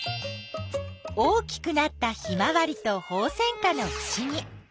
大きくなったヒマワリとホウセンカのふしぎ。